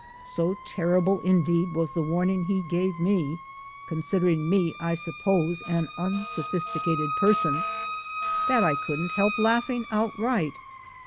So terrible, indeed, was the warning he gave me (considering me, I suppose an unsophisticated person) that I couldn't help laughing outright.